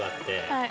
はい。